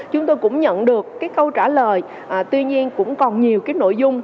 chúng tôi cũng nhận được câu trả lời tuy nhiên cũng còn nhiều nội dung